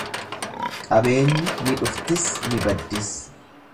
Qabeenyi ni dhuftis ni baddis.